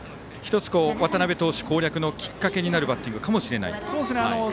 １つ、渡辺投手攻略のきっかけになるかもしれない。